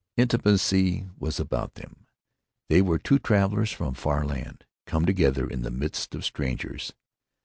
Intimacy was about them. They were two travelers from a far land, come together in the midst of strangers.